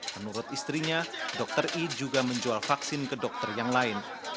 menurut istrinya dokter i juga menjual vaksin ke dokter yang lain